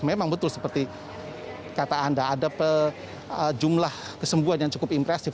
memang betul seperti kata anda ada jumlah kesembuhan yang cukup impresif